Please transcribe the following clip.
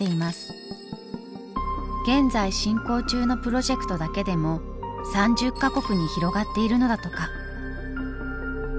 現在進行中のプロジェクトだけでも３０か国に広がっているのだとか。